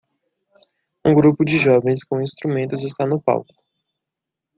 Um grupo de jovens com instrumentos está no palco.